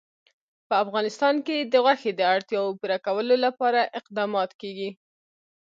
په افغانستان کې د غوښې د اړتیاوو پوره کولو لپاره اقدامات کېږي.